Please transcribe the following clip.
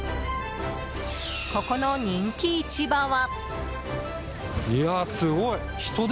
ここの人気市場は。